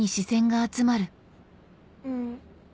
うん。